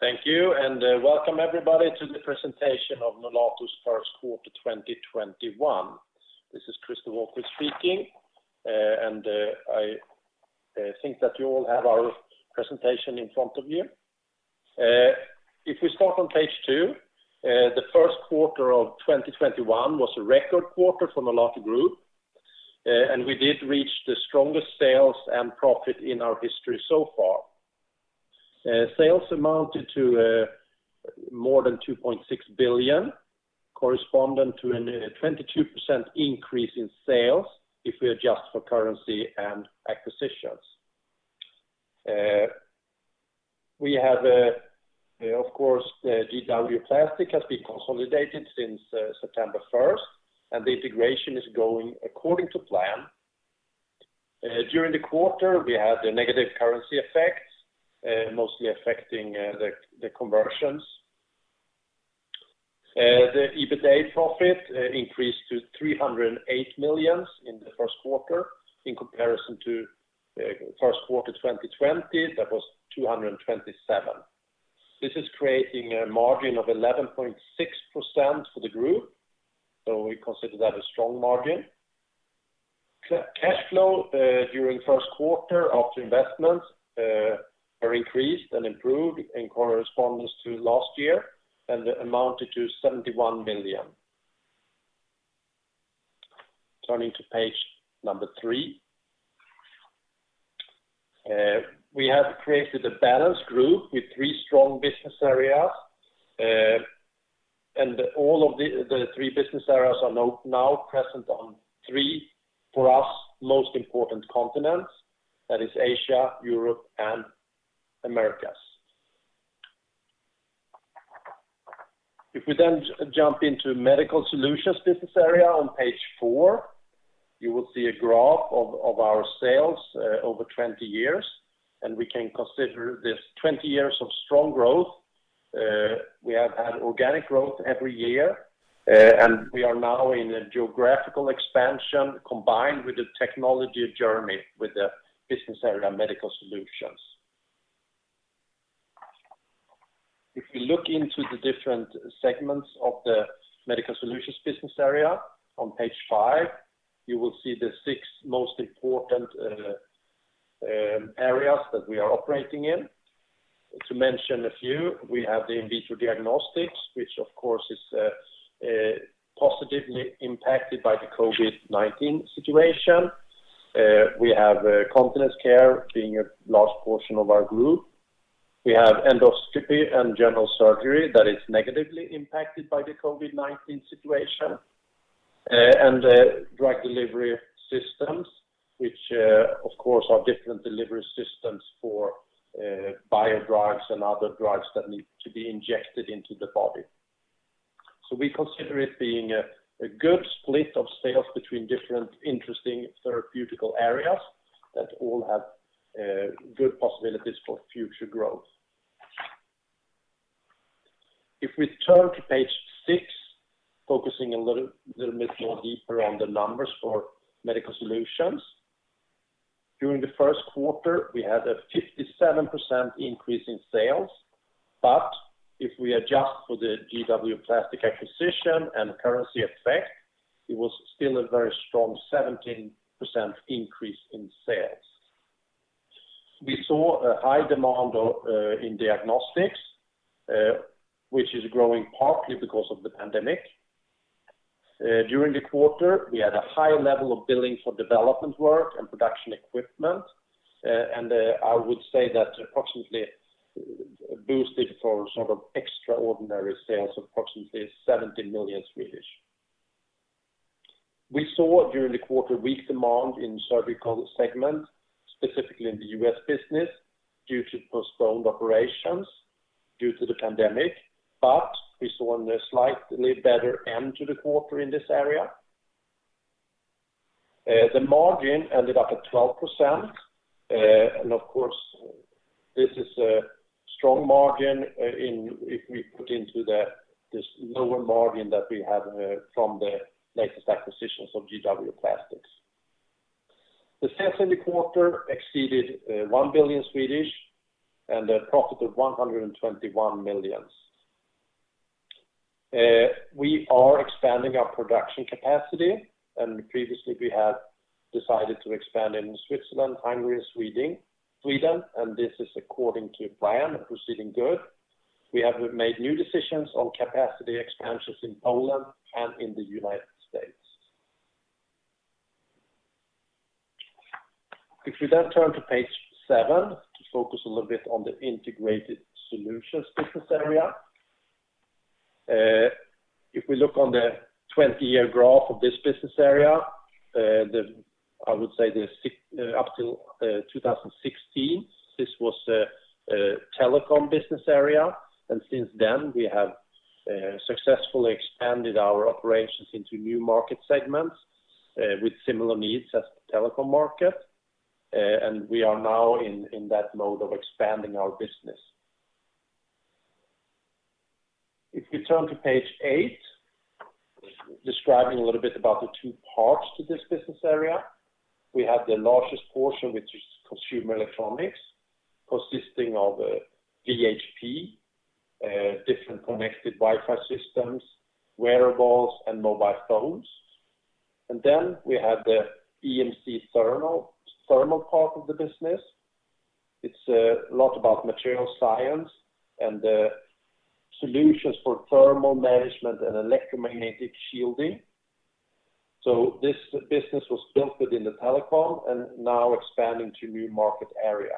Thank you, and welcome everybody to the presentation of Nolato's first quarter 2021. This is Christer Wahlquist speaking. I think that you all have our presentation in front of you. If we start on page two, the first quarter of 2021 was a record quarter for Nolato Group. We did reach the strongest sales and profit in our history so far. Sales amounted to more than 2.6 billion, corresponding to a 22% increase in sales if we adjust for currency and acquisitions. We have, of course, GW Plastics has been consolidated since September 1st. The integration is going according to plan. During the quarter, we had a negative currency effect, mostly affecting the conversions. The EBITA profit increased to 308 million in the first quarter in comparison to the first quarter 2020, that was 227 million. This is creating a margin of 11.6% for the group, so we consider that a strong margin. Cash flow during the first quarter after investments are increased and improved in correspondence to last year and amounted to 71 million. Turning to page three. We have created a balanced group with three strong business areas. All of the three business areas are now present on three, for us, most important continents, that is Asia, Europe, and Americas. If we jump into Medical Solutions business area on page four, you will see a graph of our sales over 20 years, and we can consider this 20 years of strong growth. We have had organic growth every year, and we are now in a geographical expansion combined with the technology journey with the business area Medical Solutions. If we look into the different segments of the Medical Solutions business area on page five, you will see the six most important areas that we are operating in. To mention a few, we have the in vitro diagnostics, which of course is positively impacted by the COVID-19 situation. We have continence care being a large portion of our group. We have endoscopy and general surgery that is negatively impacted by the COVID-19 situation. Drug delivery systems, which, of course, are different delivery systems for bio drugs and other drugs that need to be injected into the body. We consider it being a good split of sales between different interesting therapeutical areas that all have good possibilities for future growth. If we turn to page six, focusing a little bit more deeper on the numbers for Medical Solutions. During the first quarter, we had a 57% increase in sales. If we adjust for the GW Plastics acquisition and currency effect, it was still a very strong 17% increase in sales. We saw a high demand in diagnostics, which is growing partly because of the pandemic. During the quarter, we had a high level of billing for development work and production equipment, and I would say that approximately boosted for sort of extraordinary sales, 70 million. We saw during the quarter weak demand in surgical segment, specifically in the U.S. business, due to postponed operations due to the pandemic, but we saw a slightly better end to the quarter in this area. The margin ended up at 12%, and of course, this is a strong margin if we put into this lower margin that we have from the latest acquisitions of GW Plastics. The sales in the quarter exceeded 1 billion and a profit of 121 million. We are expanding our production capacity, and previously we had decided to expand in Switzerland, Hungary, Sweden, and this is according to plan, proceeding good. We have made new decisions on capacity expansions in Poland and in the U.S. If we then turn to page seven, to focus a little bit on the Integrated Solutions business area. If we look on the 20-year graph of this business area, I would say up till 2016, this was a telecom business area, and since then, we have successfully expanded our operations into new market segments with similar needs as the telecom market. We are now in that mode of expanding our business. If you turn to page eight, describing a little bit about the two parts to this business area. We have the largest portion, which is consumer electronics, consisting of VHP, different connected Wi-Fi systems, wearables, and mobile phones. We have the EMC thermal part of the business. It's a lot about material science and the solutions for thermal management and electromagnetic shielding. This business was built within the telecom and now expanding to new market areas.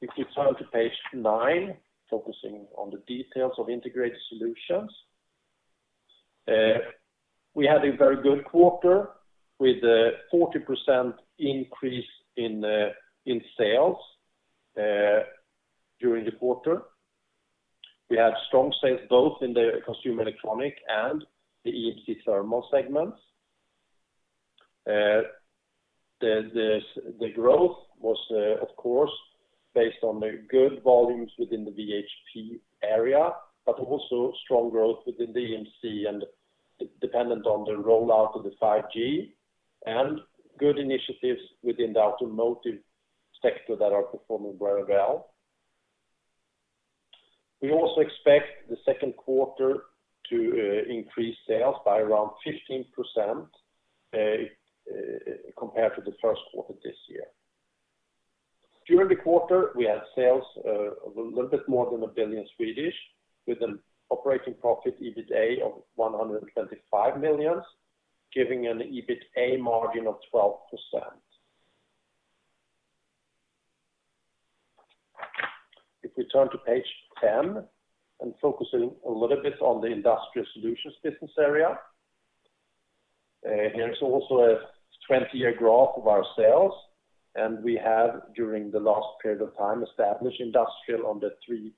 If you turn to page nine, focusing on the details of Integrated Solutions. We had a very good quarter with a 40% increase in sales during the quarter. We had strong sales both in the consumer electronic and the EMC thermal segments. The growth was, of course, based on the good volumes within the VHP area, but also strong growth within EMC and dependent on the rollout of the 5G and good initiatives within the automotive sector that are performing very well. We also expect the second quarter to increase sales by around 15% compared to the first quarter this year. During the quarter, we had sales of a little bit more than 1 billion SEK, with an operating profit, EBITDA, of 125 million SEK, giving an EBITDA margin of 12%. If we turn to page 10, and focusing a little bit on the Industrial Solutions business area. Here's also a 20-year graph of our sales, and we have, during the last period of time, established industrial on the three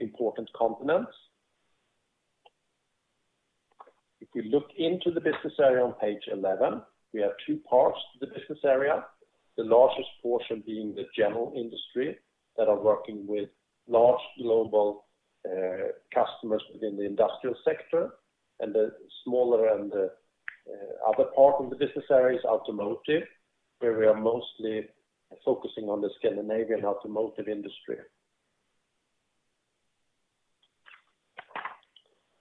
important continents. If you look into the business area on page 11, we have two parts to the business area, the largest portion being the general industry that are working with large global customers within the industrial sector, and the smaller and other part of the business area is automotive, where we are mostly focusing on the Scandinavian automotive industry.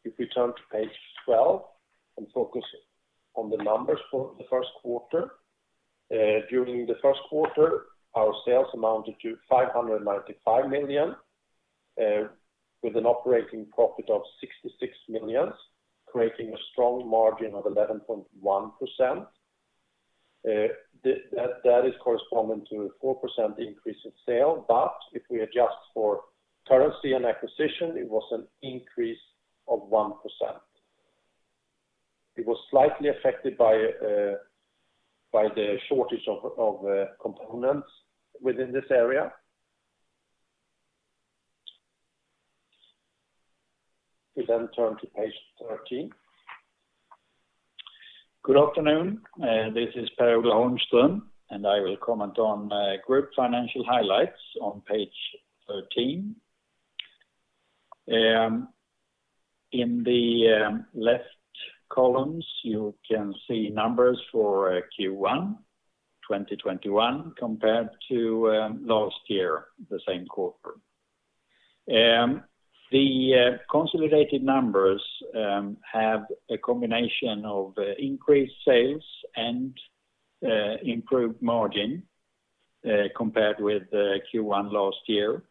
If we turn to page 12 and focus on the numbers for the first quarter. During the first quarter, our sales amounted to 595 million, with an operating profit of 66 million, creating a strong margin of 11.1%. That is corresponding to 4% increase in sale. If we adjust for currency and acquisition, it was an increase of 1%. It was slightly affected by the shortage of components within this area. We turn to page 13. Good afternoon. This is Per-Ola Holmström, and I will comment on group financial highlights on page 13. In the left columns, you can see numbers for Q1 2021 compared to last year, the same quarter. The consolidated numbers have a combination of increased sales and improved margin compared with Q1 last year.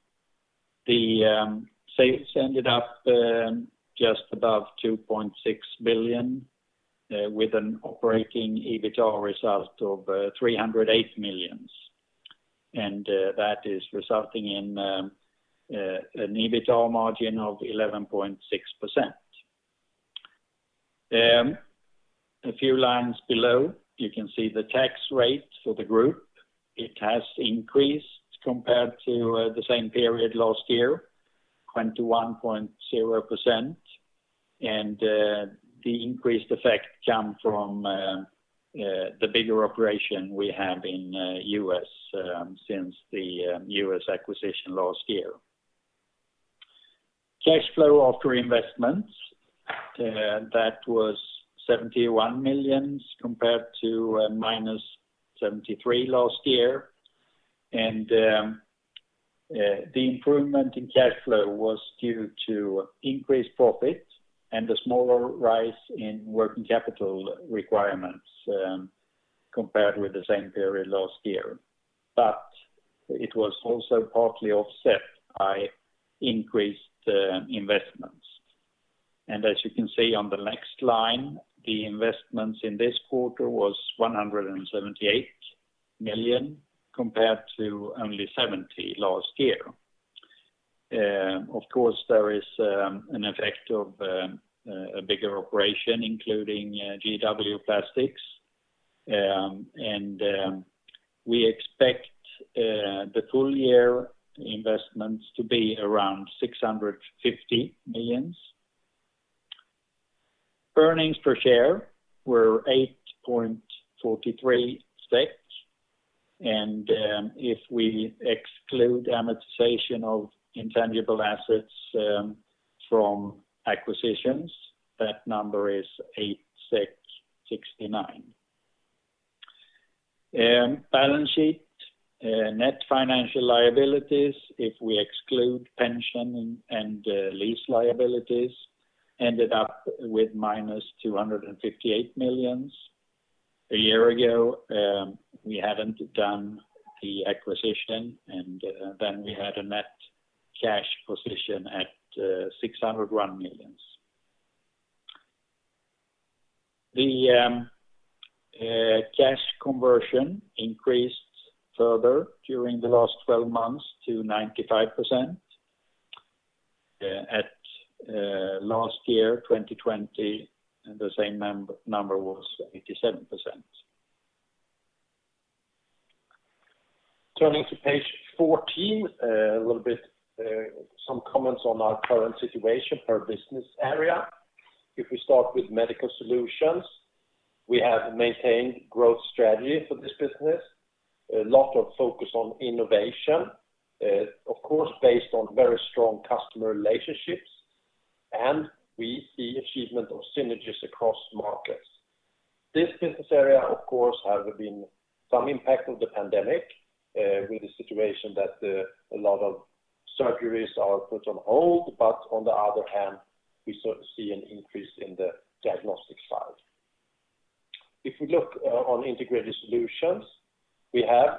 The sales ended up just above 2.6 billion, with an operating EBITA result of 308 million. That is resulting in an EBITA margin of 11.6%. A few lines below, you can see the tax rate for the group. It has increased compared to the same period last year, 21.0%. The increased effect came from the bigger operation we have in U.S. since the U.S. acquisition last year. Cash flow after investments, that was 71 million compared to minus 73 last year. The improvement in cash flow was due to increased profit and a smaller rise in working capital requirements compared with the same period last year. It was also partly offset by increased investments. As you can see on the next line, the investments in this quarter was 178 million, compared to only 70 million last year. Of course, there is an effect of a bigger operation, including GW Plastics. We expect the full year investments to be around 650 million. Earnings per share were 8.43. If we exclude amortization of intangible assets from acquisitions, that number is 8.69. Balance sheet net financial liabilities, if we exclude pension and lease liabilities, ended up with minus 258 million. A year ago, we hadn't done the acquisition. Then we had a net cash position at 601 million. The cash conversion increased further during the last 12 months to 95%. At last year, 2020, the same number was 87%. Turning to page 14, some comments on our current situation per business area. If we start with Medical Solutions, we have maintained growth strategy for this business. A lot of focus on innovation, of course, based on very strong customer relationships. We see achievement of synergies across markets. This business area, of course, have been some impact of the pandemic, with the situation that a lot of surgeries are put on hold, but on the other hand, we see an increase in the diagnostics side. If we look on Integrated Solutions, we have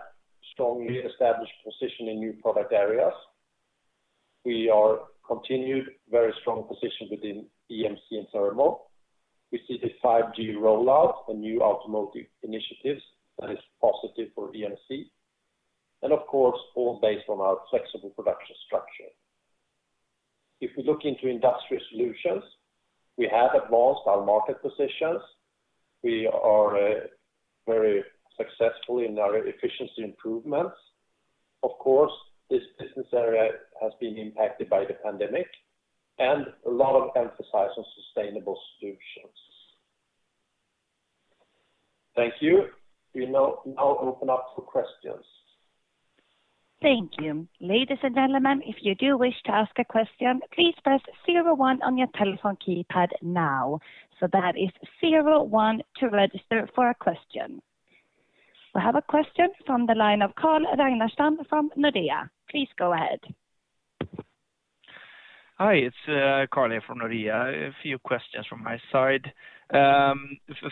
strongly established position in new product areas. We are continued very strong position within EMC and Thermal. We see the 5G rollout and new automotive initiatives that is positive for EMC. Of course, all based on our flexible production structure. If we look into Industrial Solutions, we have advanced our market positions. We are very successful in our efficiency improvements. Of course, this business area has been impacted by the pandemic and a lot of emphasis on sustainable solutions. Thank you. We now open up for questions. Thank you. Ladies and gentlemen, if you do wish to ask a question, please press 01 on your telephone keypad now. That is zero one to register for a question. We have a question from the line of Carl Ragnerstam from Nordea. Please go ahead. Hi, it's Carl Ragnerstam here from Nordea. A few questions from my side.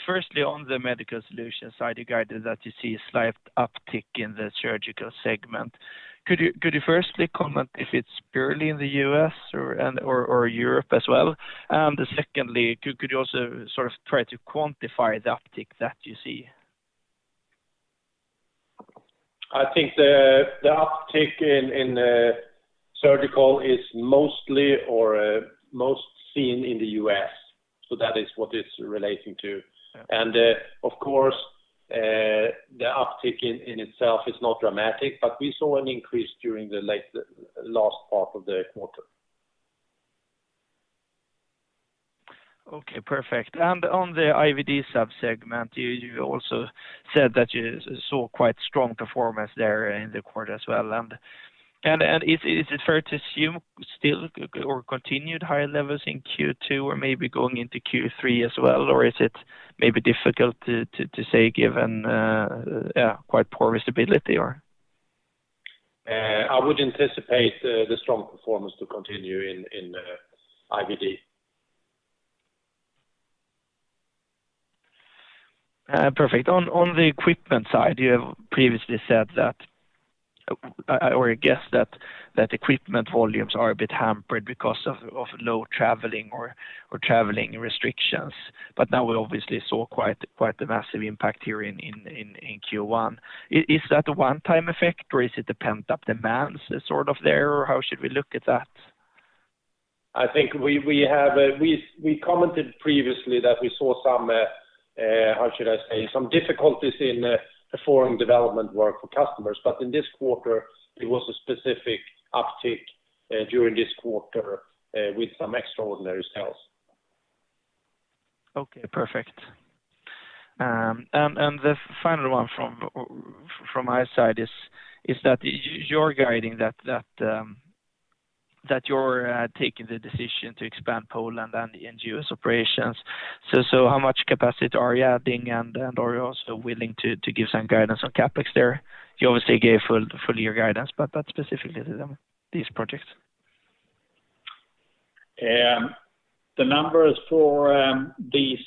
Firstly, on the Medical Solutions side, you guided that you see a slight uptick in the surgical segment. Could you firstly comment if it's purely in the U.S. or Europe as well? Secondly, could you also try to quantify the uptick that you see? I think the uptick in surgical is mostly, or most seen in the U.S., so that is what it's relating to. Okay. Of course, the uptick in itself is not dramatic. We saw an increase during the last part of the quarter. Okay, perfect. On the IVD sub-segment, you also said that you saw quite strong performance there in the quarter as well. Is it fair to assume still or continued higher levels in Q2 or maybe going into Q3 as well? Is it maybe difficult to say given quite poor visibility? I would anticipate the strong performance to continue in IVD. Perfect. On the equipment side, you have previously said that, or I guess that equipment volumes are a bit hampered because of low traveling or traveling restrictions. Now we obviously saw quite the massive impact here in Q1. Is that a one-time effect, or is it the pent-up demands sort of there, or how should we look at that? I think we commented previously that we saw some, how should I say, some difficulties in performing development work for customers. In this quarter, it was a specific uptick during this quarter with some extraordinary sales. Okay, perfect. The final one from my side is that you're guiding that you're taking the decision to expand Poland and the U.S. operations. How much capacity are you adding, and are you also willing to give some guidance on CapEx there? You obviously gave full-year guidance, but specifically these projects. The numbers for these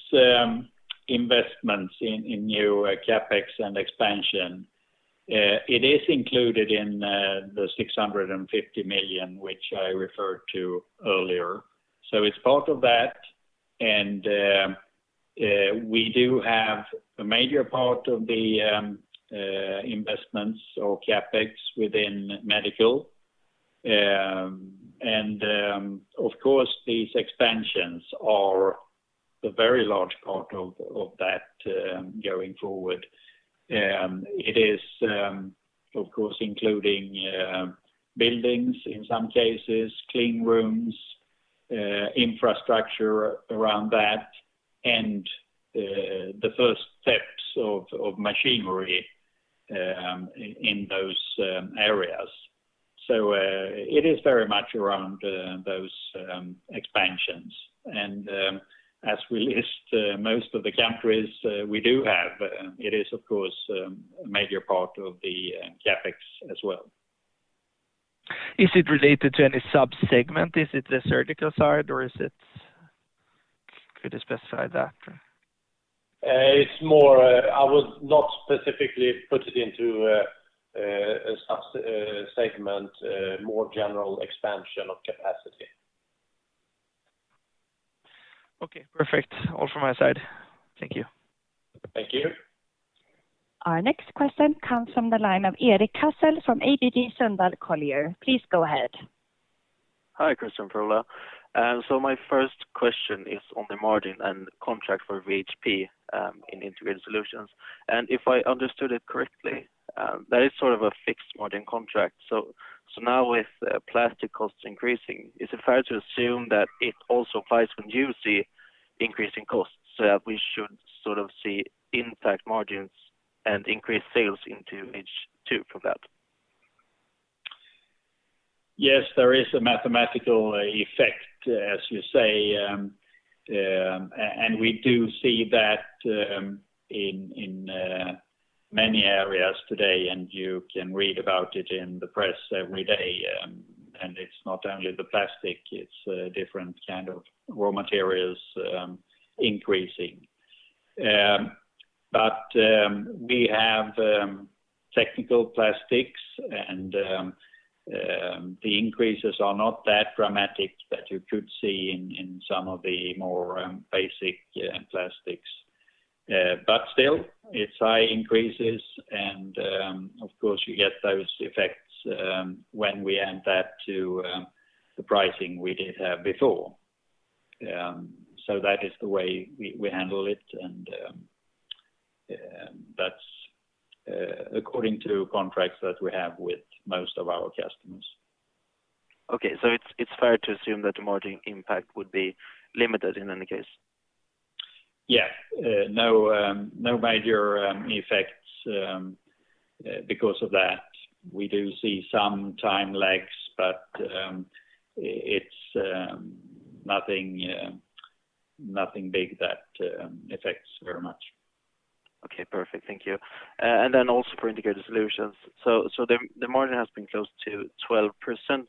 investments in new CapEx and expansion, it is included in the 650 million, which I referred to earlier. It's part of that, we do have a major part of the investments or CapEx within medical. Of course, these expansions are a very large part of that going forward. Of course, including buildings in some cases, clean rooms, infrastructure around that, and the first steps of machinery in those areas. It is very much around those expansions. As we list most of the countries we do have, it is, of course, a major part of the CapEx as well. Is it related to any sub-segment? Is it the surgical side, or could you specify that? I would not specifically put it into a sub-segment, more general expansion of capacity. Okay, perfect. All from my side. Thank you. Thank you. Our next question comes from the line of Erik Cassel from ABG Sundal Collier. Please go ahead. Hi, [Christian Frolov]. My first question is on the margin and contract for VHP in Integrated Solutions. If I understood it correctly, that is sort of a fixed margin contract. Now with plastic costs increasing, is it fair to assume that it also applies when you see increasing costs, so that we should sort of see impact margins and increased sales into H2 for that? Yes, there is a mathematical effect, as you say. We do see that in many areas today, and you can read about it in the press every day. It's not only the plastic, it's different kind of raw materials increasing. We have technical plastics, and the increases are not that dramatic that you could see in some of the more basic plastics. Still, it's high increases, and of course, you get those effects when we add that to the pricing we did have before. That is the way we handle it, and that's according to contracts that we have with most of our customers. Okay, it's fair to assume that the margin impact would be limited in any case? Yeah. No major effects because of that. We do see some time lags, but it's nothing big that affects very much. Okay, perfect. Thank you. Also for Integrated Solutions. The margin has been close to 12%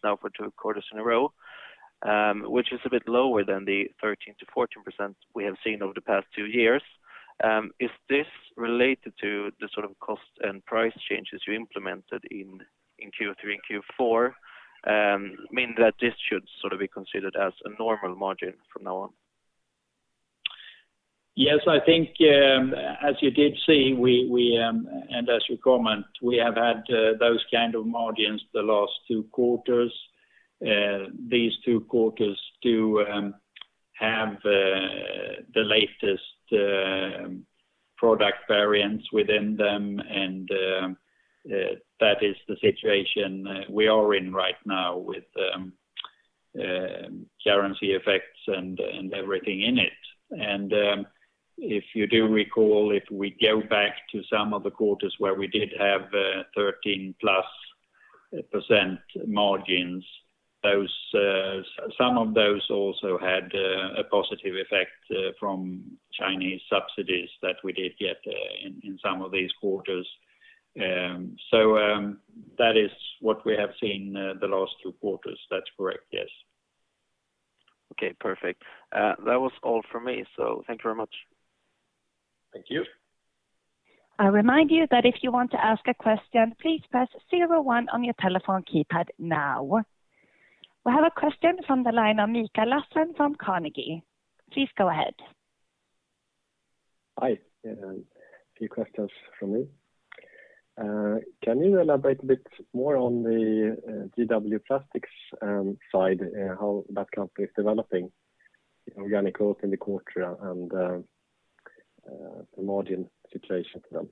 now for two quarters in a row, which is a bit lower than the 13%-14% we have seen over the past two years. Is this related to the sort of cost and price changes you implemented in Q3 and Q4, mean that this should sort of be considered as a normal margin from now on? Yes, I think as you did see, and as you comment, we have had those kind of margins the last two quarters. These two quarters do have the latest product variants within them, and that is the situation we are in right now with currency effects and everything in it. If you do recall, if we go back to some of the quarters where we did have 13%+ margins, some of those also had a positive effect from Chinese subsidies that we did get in some of these quarters. That is what we have seen the last two quarters. That's correct, yes. Okay, perfect. That was all from me, so thank you very much. Thank you. I'll remind you that if you want to ask a question, please press zero one on your telephone keypad now. We have a question from the line of Mikael Laséen from Carnegie. Please go ahead. Hi, a few questions from me. Can you elaborate a bit more on the GW Plastics side, how that company is developing organic growth in the quarter and the margin situation for them?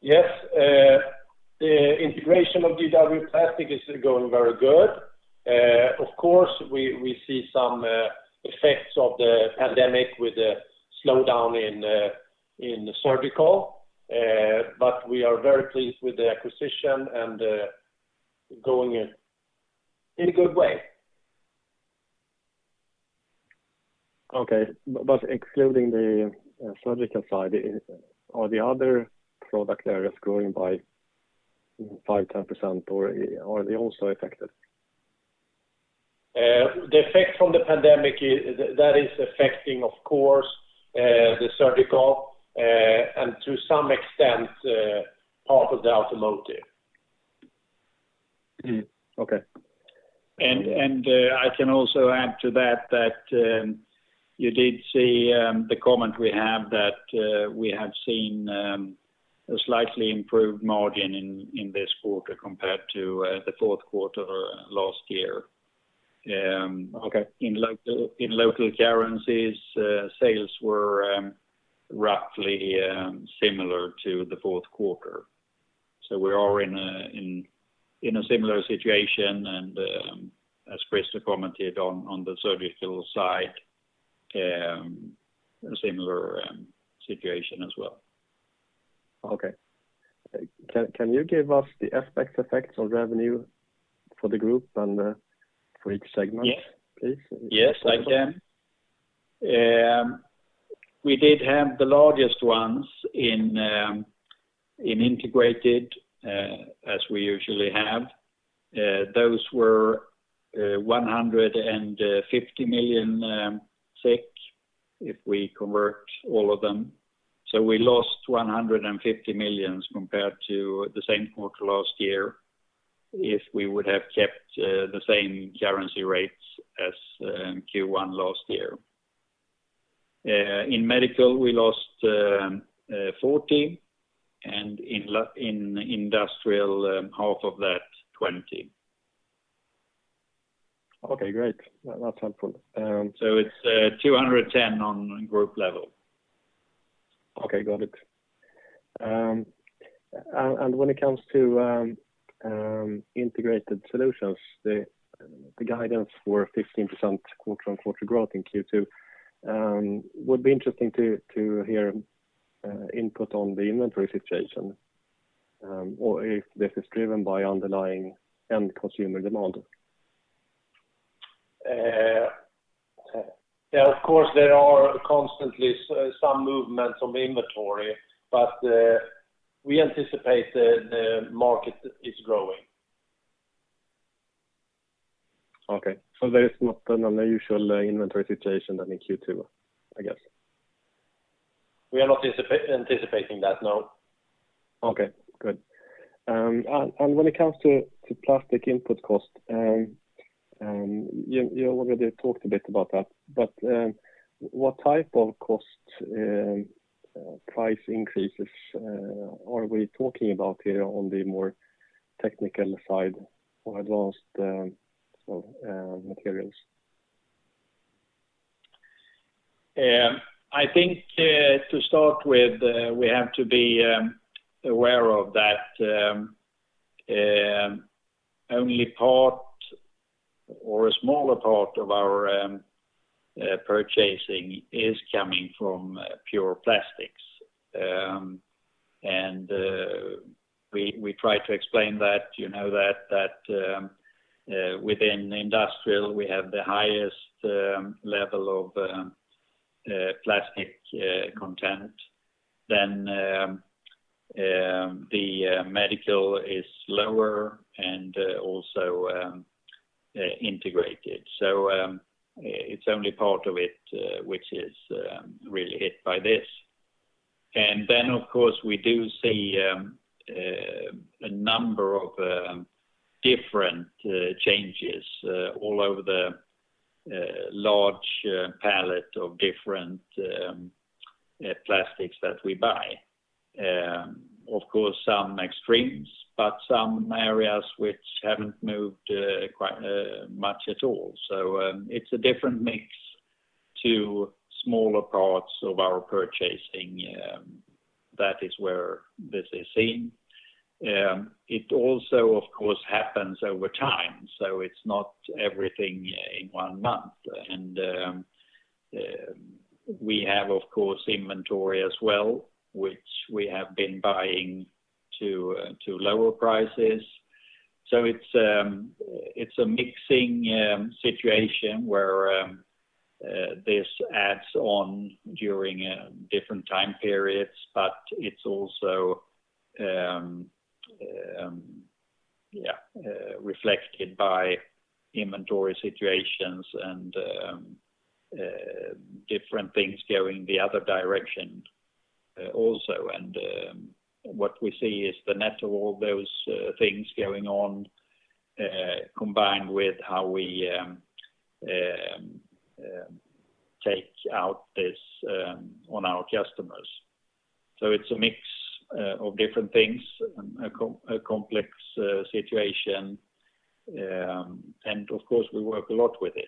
Yes. The integration of GW Plastics is going very good. Of course, we see some effects of the pandemic with the slowdown in the surgical, but we are very pleased with the acquisition and going in a good way. Okay. Excluding the surgical side, are the other product areas growing by 5%, 10%, or are they also affected? The effect from the pandemic, that is affecting, of course, the surgical, and to some extent, part of the automotive. Okay. I can also add to that you did see the comment we have that we have seen a slightly improved margin in this quarter compared to the fourth quarter last year. Okay. In local currencies, sales were roughly similar to the fourth quarter. We are in a similar situation, and as Christer Wahlquist commented on the surgical side, a similar situation as well. Okay. Can you give us the FX effects on revenue for the group and for each segment, please? Yes, I can. We did have the largest ones in Integrated Solutions, as we usually have. Those were 150 million, if we convert all of them. We lost 150 million compared to the same quarter last year if we would have kept the same currency rates as Q1 last year. In medical, we lost 40, and in Industrial Solutions, half of that, 20. Okay, great. That's helpful. It's 210 on group level. Okay, got it. When it comes to Integrated Solutions, the guidance for 15% quarter-on-quarter growth in Q2, would be interesting to hear input on the inventory situation, or if this is driven by underlying end consumer demand. Of course, there are constantly some movements on the inventory, but we anticipate the market is growing. Okay. There is not an unusual inventory situation than in Q2, I guess. We are not anticipating that, no. Okay, good. When it comes to plastic input cost, you already talked a bit about that, but what type of cost price increases are we talking about here on the more technical side for advanced materials? I think to start with, we have to be aware that only part or a smaller part of our purchasing is coming from pure plastics. We try to explain that within Industrial, we have the highest level of plastic content. The medical is lower and also Integrated. It's only part of it which is really hit by this. Of course, we do see a number of different changes all over the large palette of different plastics that we buy. Of course, some extremes, but some areas which haven't moved much at all. It's a different mix to smaller parts of our purchasing. That is where this is seen. It also, of course, happens over time, so it's not everything in one month. We have, of course, inventory as well, which we have been buying to lower prices. It's a mixing situation where this adds on during different time periods. It's also reflected by inventory situations and different things going the other direction also. What we see is the net of all those things going on combined with how we take out this on our customers. It's a mix of different things, a complex situation, and of course, we work a lot with it.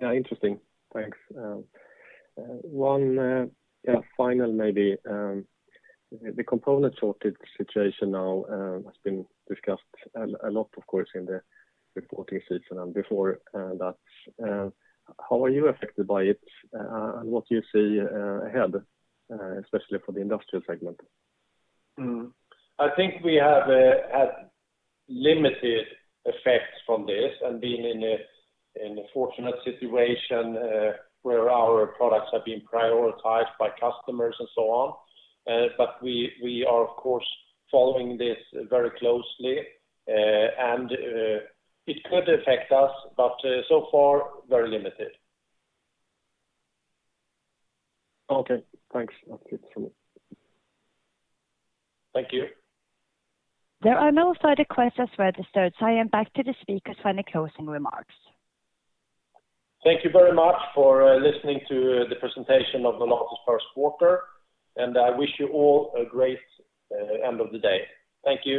Yeah, interesting. Thanks. One final maybe. The component shortage situation now has been discussed a lot, of course, in the reporting season and before that. How are you affected by it? What do you see ahead, especially for the industrial segment? I think we have had limited effects from this and been in a fortunate situation where our products have been prioritized by customers and so on. We are, of course, following this very closely, and it could affect us, but so far, very limited. Okay, thanks. That's it from me. Thank you. There are no further questions registered. I am back to the speakers for any closing remarks. Thank you very much for listening to the presentation of the latest first quarter, and I wish you all a great end of the day. Thank you.